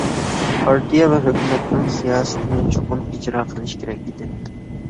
پارتىيە ۋە ھۆكۈمەتنىڭ سىياسىتىنى چوقۇم ئىجرا قىلىش كېرەك ئىدى.